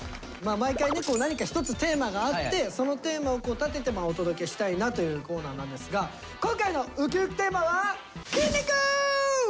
毎回ね何か１つテーマがあってそのテーマを立ててお届けしたいなというコーナーなんですが今回のウキウキテーマは「筋肉」！